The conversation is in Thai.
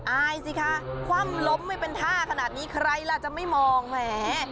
อายสิคะคว่ำล้มไม่เป็นท่าขนาดนี้ใครล่ะจะไม่มองแหม